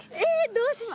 どうしま。